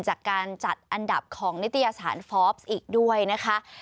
จากการจัดอันดับของนิตยสารฟอล์ฟอีกด้วยนะคะ